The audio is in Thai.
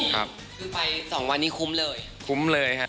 คือไป๒วันมีคุ้มเลยนะคะคุ้มเลยละครับ